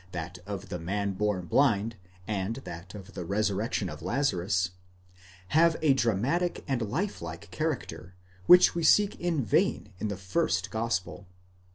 that of the man born blind, and that of the resurrection of Lazarus) have a dramatic and life like character, which we seek in vain in the first gospel.